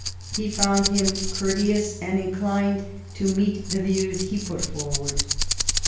He found him courteous and inclined to meet the views he put forward.